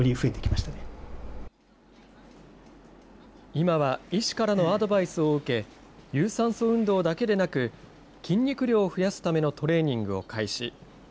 今は医師からのアドバイスを受け、有酸素運動だけでなく、筋肉量を増やすためのトレーニングを開始。